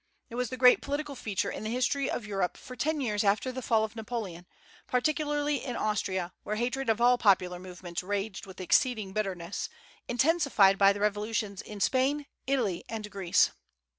It was the great political feature in the history of Europe for ten years after the fall of Napoleon, particularly in Austria, where hatred of all popular movements raged with exceeding bitterness, intensified by the revolutions in Spain, Italy, and Greece.